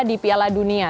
di piala dunia